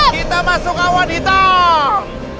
kita masuk awan hitam